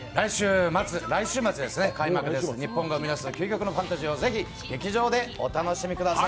来週末開幕です、日本が生み出す究極のファンタジーを是非、劇場でお楽しみください。